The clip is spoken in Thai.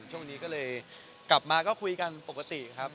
ช่วงนี้ก็เลยกลับมาก็คุยกันปกติครับ